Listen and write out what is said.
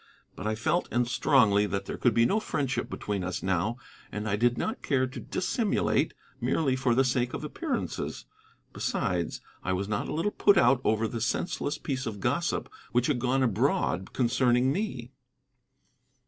But I felt, and strongly, that there could be no friendship between us now, and I did not care to dissimulate merely for the sake of appearances. Besides, I was not a little put out over the senseless piece of gossip which had gone abroad concerning me.